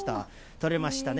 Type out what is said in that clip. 取れましたね。